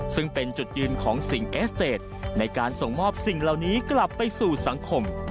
ซึ่งเป็นจุดยืนของสิ่งเอสเตจในการส่งมอบสิ่งเหล่านี้กลับไปสู่สังคม